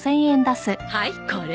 はいこれ。